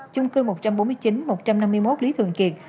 chung cư một trăm bốn mươi chín một trăm năm mươi một lý thường kiệt